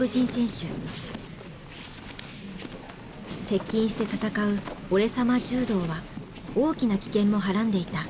接近して戦う「俺様柔道」は大きな危険もはらんでいた。